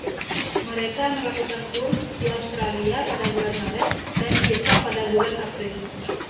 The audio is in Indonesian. Mereka melakukan tur di Australia pada bulan Maret dan di Jepang pada bulan April.